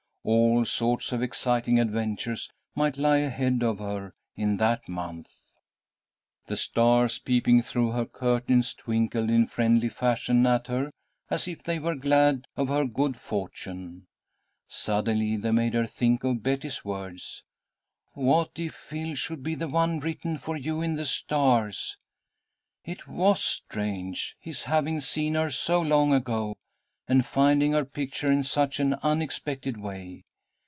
All sorts of exciting adventures might lie ahead of her in that month. The stars, peeping through her curtains, twinkled in friendly fashion at her, as if they were glad of her good fortune. Suddenly they made her think of Betty's words: "What if Phil should be the one written for you in the stars?" It was strange, his having seen her so long ago, and finding her picture in such an unexpected way.